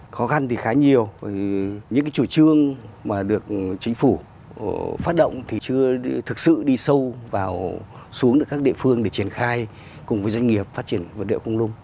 khó khăn thì khá nhiều những chủ trương mà được chính phủ phát động thì chưa thực sự đi sâu vào xuống các địa phương để triển khai cùng với doanh nghiệp phát triển vật liệu không nung